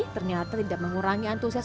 ternyata tidak mengurangi antusias